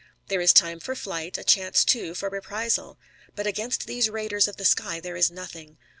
There is time for flight, a chance, too, for a reprisal. But against these raiders of the sky there is nothing.